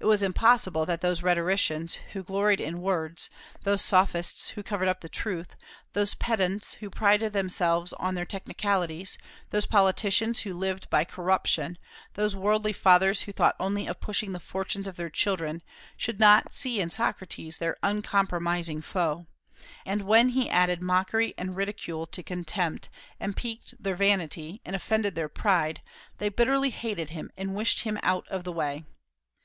It was impossible that those rhetoricians who gloried in words, those Sophists who covered up the truth, those pedants who prided themselves on their technicalities, those politicians who lived by corruption, those worldly fathers who thought only of pushing the fortunes of their children, should not see in Socrates their uncompromising foe; and when he added mockery and ridicule to contempt, and piqued their vanity, and offended their pride, they bitterly hated him and wished him out of the way.